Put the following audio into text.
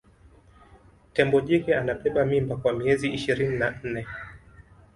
tembo jike anabeba mimba kwa miezi ishirini na nne